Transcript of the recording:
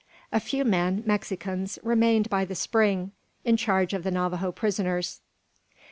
A few men, Mexicans, remained by the spring, in charge of the Navajo prisoners.